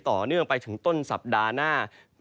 ต่อเนื่องไปถึงต้นสัปดาห์หน้า